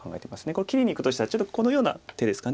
これ切りにいくとしたらちょっとこのような手ですか。